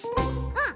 うん！